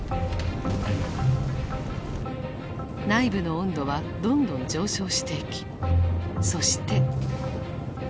内部の温度はどんどん上昇していきそして。